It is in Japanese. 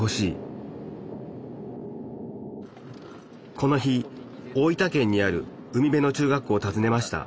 この日大分県にある海辺の中学校をたずねました。